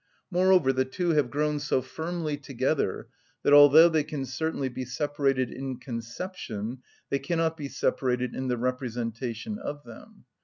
Moreover, the two have grown so firmly together that although they can certainly be separated in conception, they cannot be separated in the representation of them.